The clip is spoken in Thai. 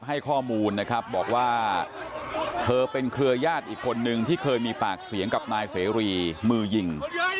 ให้ข้อมูลนะครับบอกว่าเธอเป็นเครือญาติอีกคนนึงที่เคยมีปากเสียงกับนายเสรีมือยิง